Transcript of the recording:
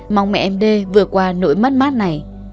mong mẹ em đê vượt qua nỗi mất mát này